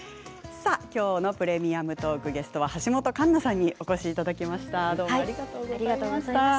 きょうの「プレミアムトーク」ゲストは橋本環奈さんにお越しいただきました。